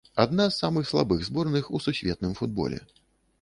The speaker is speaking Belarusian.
Адна з самых слабых зборных у сусветным футболе.